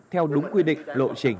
theo đúng quy định lộ trình